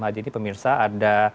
haji ini pemirsa ada